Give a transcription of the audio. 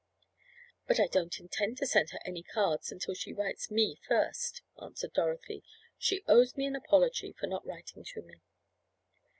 "But I don't intend to send her any cards until she writes me first," answered Dorothy. "She owes me an apology for not writing to me."